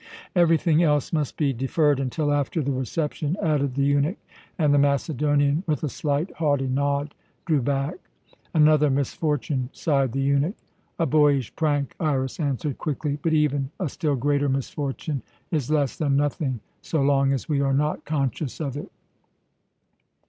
"Everything else must be deferred until after the reception," added the eunuch, and the Macedonian, with a slight, haughty nod, drew back. "Another misfortune," sighed the eunuch. "A boyish prank," Iras answered quickly, "but even a still greater misfortune is less than nothing so long as we are not conscious of it.